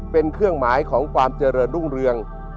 เป็นเครื่องหมายของความเจริญรุ่งเรือง